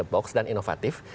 dan berbuka buka dan inovatif